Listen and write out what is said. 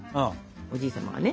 おじい様がね